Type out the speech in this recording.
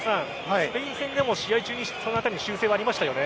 スペイン戦でも試合中にその辺り、修正はありましたよね。